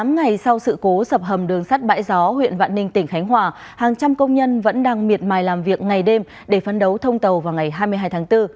tám ngày sau sự cố sập hầm đường sắt bãi gió huyện vạn ninh tỉnh khánh hòa hàng trăm công nhân vẫn đang miệt mài làm việc ngày đêm để phấn đấu thông tàu vào ngày hai mươi hai tháng bốn